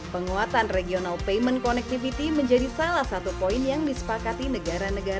penguatan regional payment connectivity menjadi salah satu poin yang disepakati negara negara